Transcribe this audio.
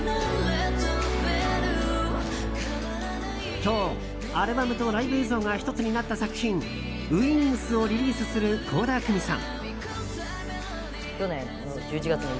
今日、アルバムとライブ映像が１つになった作品「ＷＩＮＧＳ」をリリースする倖田來未さん。